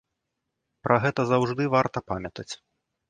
Пра гэта заўжды варта памятаць.